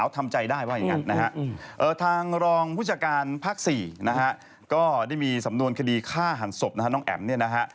ค่าหารศพนะฮะน้องแอ้มเนี้ยนะฮะ